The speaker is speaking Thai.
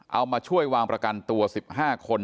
เอามาช่วยวางประกันตัว๑๕คน